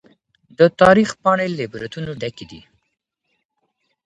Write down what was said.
د تاريخ پاڼي له عبرتونو ډکي دي.